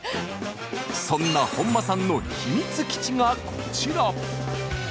そんな本間さんの秘密基地がこちら。